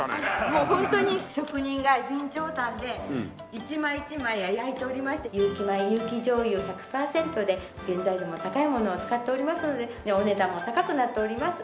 もうホントに職人が備長炭で一枚一枚焼いておりまして有機米有機じょうゆ１００パーセントで原材料も高いものを使っておりますのでお値段も高くなっております。